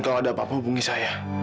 kalau ada apa apa hubungi saya